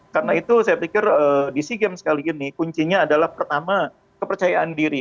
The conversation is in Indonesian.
karena itu saya pikir di sea games kali ini kuncinya adalah pertama kepercayaan diri